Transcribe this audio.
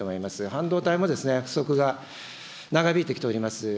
半導体も不足が長引いてきております。